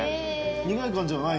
苦い感じはない？